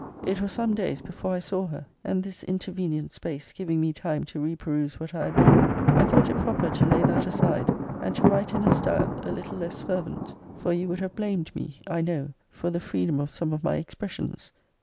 It was some days before I saw her: and this intervenient space giving me time to re peruse what I had written, I thought it proper to lay >>> that aside, and to write in a style a little less fervent; >>> for you would have blamed me, I know, for the free dom of some of my expressions.